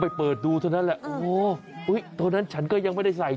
เปิดดูเท่านั้นแหละโอ้โหอุ้ยตัวนั้นฉันก็ยังไม่ได้ใส่